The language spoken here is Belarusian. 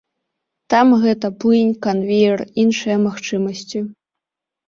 Там гэта плынь, канвеер, іншыя магчымасці.